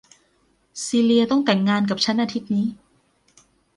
ซีเลียต้องแต่งงานกับฉันอาทิตย์นี้